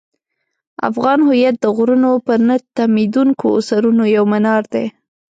افغان هویت د غرونو پر نه تمېدونکو سرونو یو منار دی.